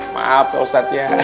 maaf pak ustadz ya